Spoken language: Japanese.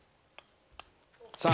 さあ。